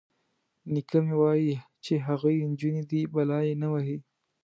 _نيکه مې وايي چې هغوی نجونې دي، بلا يې نه وهي.